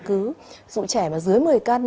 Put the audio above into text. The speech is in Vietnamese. cứ dụ trẻ mà dưới một mươi cân